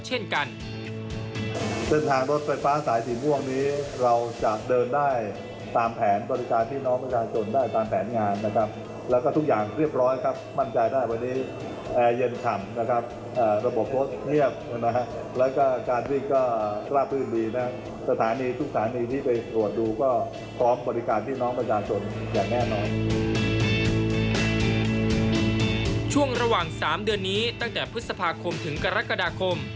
ช่วง๓เดือนนี้ตั้งแต่พฤษภาคมถึงกรกฎาคม